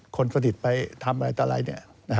คนพติศไปทำอะไร